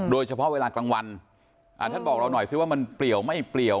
เวลากลางวันท่านบอกเราหน่อยสิว่ามันเปลี่ยวไม่เปลี่ยว